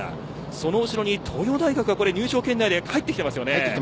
その後ろに東洋大学が入賞圏内に入ってきています。